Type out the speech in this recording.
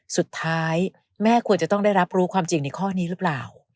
สุดท้ายแม่ควรจะต้องได้รับรู้ความจริงในข้อนี้หรือเปล่า